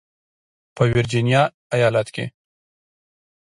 په ورجینیا ایالت کې